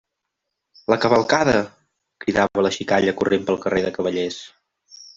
La cavalcada! –cridava la xicalla corrent pel carrer de Cavallers.